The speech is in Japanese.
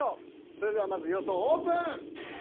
それではまず予想オープン！